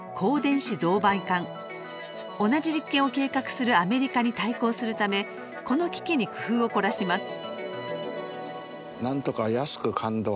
同じ実験を計画するアメリカに対抗するためこの機器に工夫を凝らします。